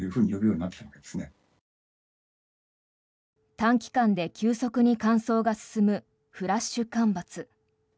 短期間で急速に乾燥が進むフラッシュ干ばつ。